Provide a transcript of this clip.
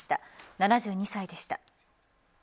７２歳でした。